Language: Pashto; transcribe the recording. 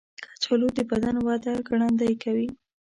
کچالو د بدن وده ګړندۍ کوي.